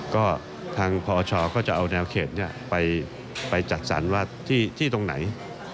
ก็ทางพชก็จะเอาแนวเขตไปจัดสรรว่าที่ตรงไหน